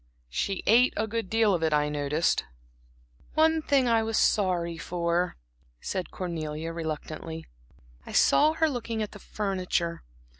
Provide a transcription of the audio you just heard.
"She ate a good deal of it, I noticed." "One thing I was sorry for," said Cornelia, reluctantly. "I saw her looking at the furniture.